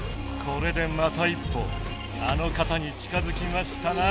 これでまた一歩あの方に近づきましたな